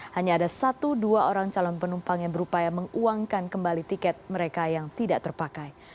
hanya ada satu dua orang calon penumpang yang berupaya menguangkan kembali tiket mereka yang tidak terpakai